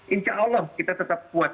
insya allah kita tetap kuat